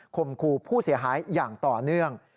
คมคู่ผู้เสียหายอย่างต่อเนื่อง